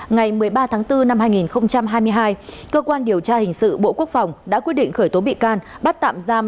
ngày một mươi ba tháng bốn năm hai nghìn hai mươi hai cơ quan điều tra hình sự bộ quốc phòng đã quyết định khởi tố bị can bắt tạm giam